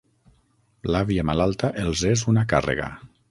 L'àvia malalta els és una càrrega.